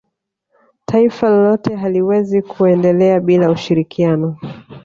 taifa lolote haliwezi kuendelea bila ushirikiano